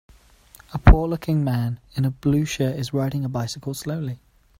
A poor looking man in a blue shirt is riding a bicycle slowly.